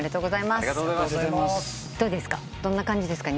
どうですか？